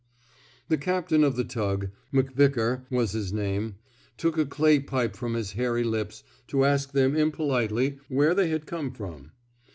The captain of the tug — McVickar was his name — took a clay pipe from his hairy lips to ask them impolitely where they had come from.